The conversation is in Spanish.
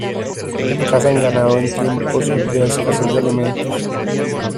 Cazan ganado en tiempos de escasez de alimentos.